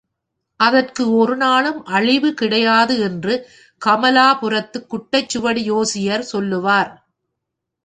அதற்கு ஒரு நாளும் அழிவு கிடையாது என்று கமலாபுரத்து குட்டைச்சுவடி ஜோசியர் சொல்லுவார்.